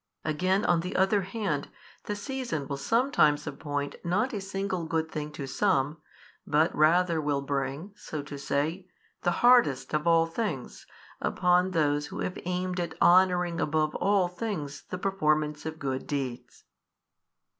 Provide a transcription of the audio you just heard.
Again on the other hand, the season will sometimes appoint not a single good thing to some, but rather will bring, so to say, the hardest of all things, upon those who have aimed at honouring above all things the performance of good deeds.